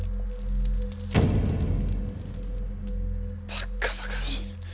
バッカバカしい。